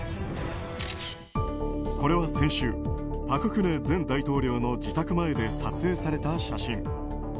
これは先週朴槿惠前大統領の自宅前で撮影された写真。